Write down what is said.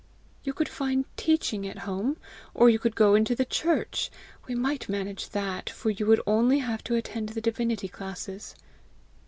"You could find teaching at home; or you could go into the church. We might manage that, for you would only have to attend the divinity classes."